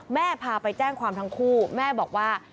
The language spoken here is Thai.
พาไปแจ้งความทั้งคู่แม่บอกว่า